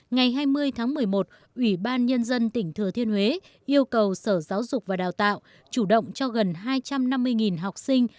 ngày hai mươi tháng một mươi một ủy ban nhân dân tỉnh thừa thiên huế yêu cầu sở giáo dục và đào tạo chủ động cho gần hai trăm năm mươi học sinh